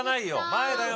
前だよ